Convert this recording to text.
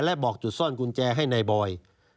และบอกจุดซ่อนกุญแจให้นายบอย